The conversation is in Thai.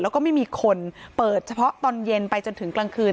แล้วก็ไม่มีคนเปิดเฉพาะตอนเย็นไปจนถึงกลางคืน